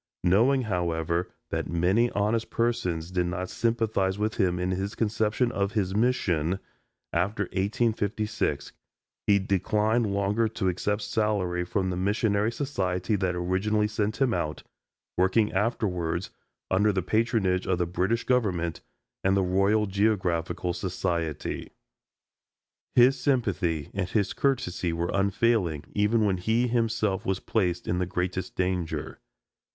Knowing, however, that many honest persons did not sympathize with him in this conception of his mission, after 1856 he declined longer to accept salary from the missionary society that originally sent him out, working afterwards under the patronage of the British Government and the Royal Geographical Society. His sympathy and his courtesy were unfailing, even when he himself was placed in the greatest danger.